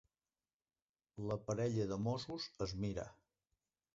La parella de Mossos es mira.